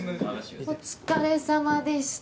お疲れさまでした。